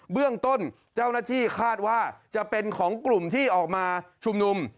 เบื้องต้นเจ้าหน้าที่คาดว่าจะเป็นของกลุ่มที่ออกมาชุมนุม